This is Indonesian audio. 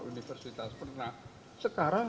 universitas pernah sekarang